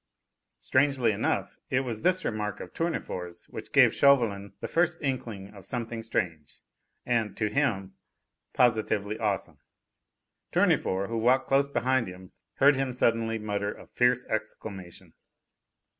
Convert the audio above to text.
'" Strangely enough, it was this remark of Tournefort's which gave Chauvelin the first inkling of something strange and, to him, positively awesome. Tournefort, who walked close beside him, heard him suddenly mutter a fierce exclamation.